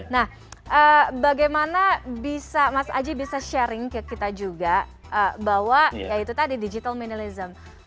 nah bagaimana bisa mas aji bisa sharing ke kita juga bahwa ya itu tadi digital minilism